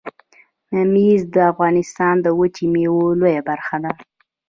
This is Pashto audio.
ممیز د افغانستان د وچې میوې لویه برخه ده